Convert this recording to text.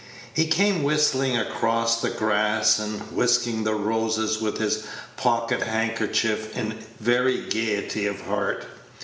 He came whistling across the grass, and whisking the roses with his pocket hand kerchief in very gayety of heart.